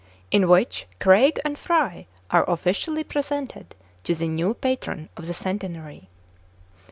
IN WHICH CRAIG AND FRY ARE OFFICIALLY PRE SENTED TO THE NEW PATRON OF THE CENTE NARY.